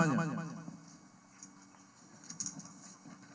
namun tidak tahu namanya